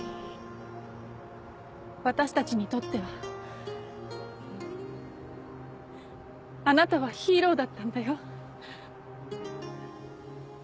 私たちにとってはあなたはヒーローだったんだよ。